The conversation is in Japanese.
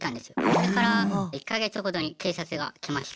それから１か月後に警察が来ました。